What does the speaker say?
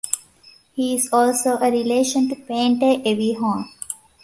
He is also a relation to painter Evie Hone.